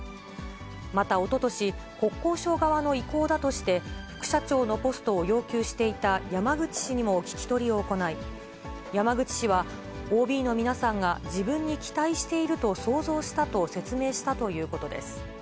またおととし、国交省側の意向だとして、副社長のポストを要求していた山口氏にも聞き取りを行い、山口氏は、ＯＢの皆さんが自分に期待していると想像したと説明したということです。